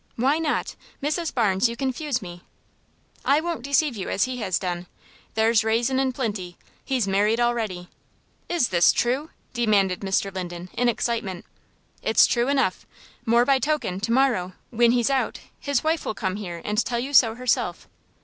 "Why not? Mrs. Barnes, you confuse me." "I won't deceive you as he has done. There's rason in plinty. He's married already." "Is this true?" demanded Mr. Linden, in excitement. "It's true enough; more by token, to morrow, whin he's out, his wife will come here and tell you so herself."